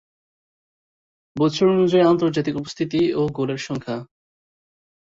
বছর অনুযায়ী আন্তর্জাতিক উপস্থিতি ও গোলের সংখ্যা।